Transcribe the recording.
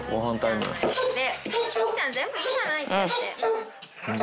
むぎちゃん、全部いいんじゃない？いっちゃって。